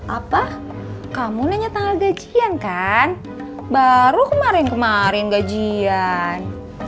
apa kamu nanya tanggal gajian kan baru kemarin kemarin gajian